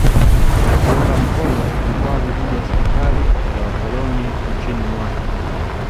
Kuunga mkono vikwazo dhidi ya serikali ya wakoloni nchini mwake